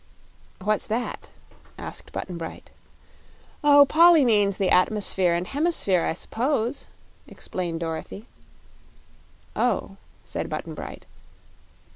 "What's that?" asked Button Bright. "Oh, Polly means the atmosphere and hemisphere, I s'pose," explained Dorothy. "Oh," said Button Bright.